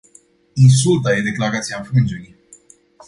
Insulta e declarația înfrângerii.